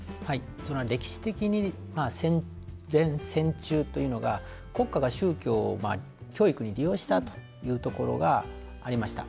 それは、歴史的に戦前、戦中というのが国家が宗教を教育に利用したというところがありました。